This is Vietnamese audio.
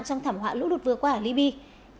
trong thảm họa lũ lụt vừa qua ở libya